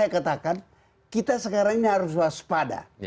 kita sekarang ini harus waspada